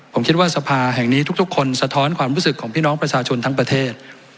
ผมคิดว่าสภาแห่งนี้ทุกคนสะท้อนความรู้สึกของพี่น้องประชาชนทั้งประเทศ